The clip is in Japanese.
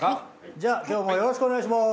じゃ今日もよろしくお願いします。